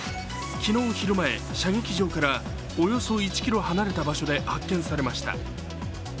昨日昼前、射撃場からおよそ１ｋｍ離れた場所で発見されました。